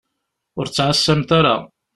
Ur ttɛasamt ara.